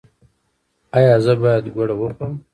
ایا زه باید ګوړه وخورم؟